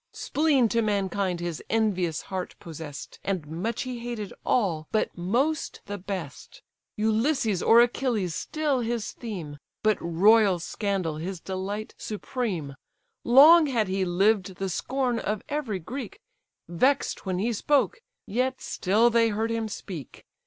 Spleen to mankind his envious heart possess'd, And much he hated all, but most the best: Ulysses or Achilles still his theme; But royal scandal his delight supreme, Long had he lived the scorn of every Greek, Vex'd when he spoke, yet still they heard him speak.